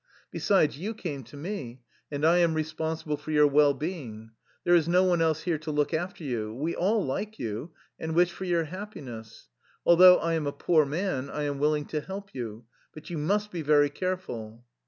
Besides, you came to me and I am re sponsible for your well being. There is no one else here to look after you. We all like you and wish for your happiness. Although I am a poor man, I am willing to help you. But you must be very careful."